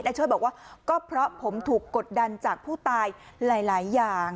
ช่วยบอกว่าก็เพราะผมถูกกดดันจากผู้ตายหลายอย่าง